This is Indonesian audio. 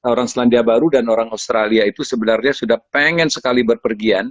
orang selandia baru dan orang australia itu sebenarnya sudah pengen sekali berpergian